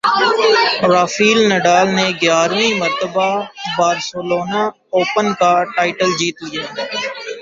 Rafael Nadal نے گیارہویں مرتبہ بارسلونا اوپن کا ٹائٹل جیت لیا